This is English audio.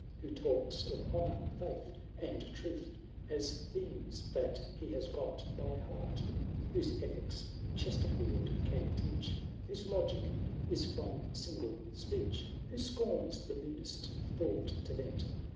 Who talks of honour, faith, and truth. As themes that he has got by heart : Whose ethics Chesterfield can teach. Whose logic is from Single speech ;* Who scorns the meanest thought to rent.